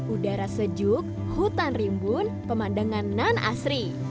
udara sejuk hutan rimbun pemandangan nan asri